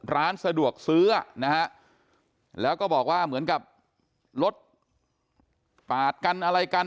ร้านสะดวกซื้อนะฮะแล้วก็บอกว่าเหมือนกับรถปาดกันอะไรกัน